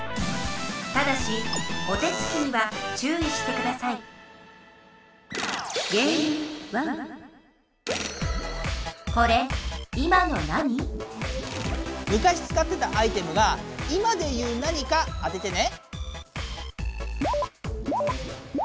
ただしお手つきにはちゅういしてくださいむかしつかってたアイテムが今でいう何か当ててね。